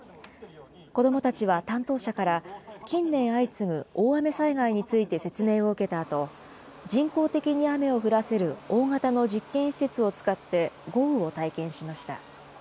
子どもたちは、担当者から近年相次ぐ大雨災害について説明を受けたあと、人工的に雨を降らせる大型の実験施設を使って豪雨を体験しました。